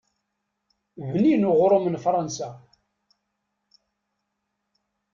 Bnin uɣṛum n Fṛansa.